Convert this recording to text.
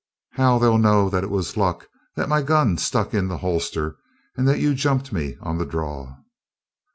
"How'll they know that it was luck that my gun stuck in the holster and that you jumped me on the draw?"